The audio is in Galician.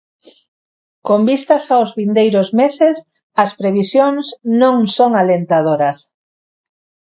Con vistas aos vindeiros meses, as previsións non son alentadoras.